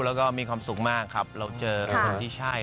แล้วก็มีความสุขมากครับเราเจอกับคนที่ใช่